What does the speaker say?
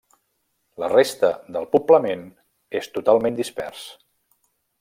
La resta del poblament és totalment dispers.